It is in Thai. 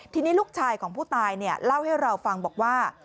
ทีนี้ลูกชายของผู้ตายเล่าให้เราฟังบอกว่า